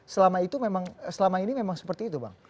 selama itu memang selama ini memang seperti itu bang